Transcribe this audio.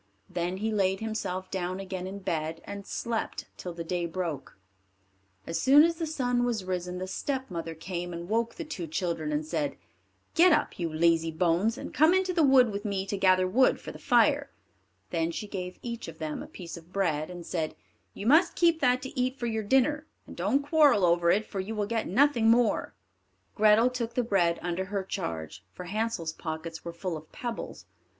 Then he laid himself down again in bed, and slept till the day broke. As soon as the sun was risen, the stepmother came and woke the two children, and said, "Get up, you lazy bones, and come into the wood with me to gather wood for the fire." Then she gave each of them a piece of bread, and said, "You must keep that to eat for your dinner, and don't quarrel over it, for you will get nothing more." Grethel took the bread under her charge, for Hansel's pockets were full of pebbles.